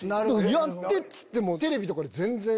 やってっつってもテレビで全然。